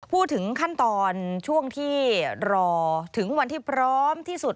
พูดถึงขั้นตอนช่วงที่รอถึงวันที่พร้อมที่สุด